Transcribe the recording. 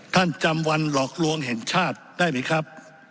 ท่านจำวันหลอกลวงแห่งชาติได้ไหมครับ